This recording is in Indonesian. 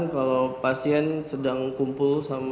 kalau pasien sedang kumpul